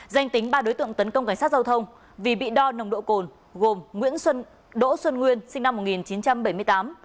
danh tính ba đối tượng tấn công cảnh sát giao thông vì bị đo nồng độ cồn gồm nguyễn xuân nguyên sinh năm một nghìn chín trăm bảy mươi tám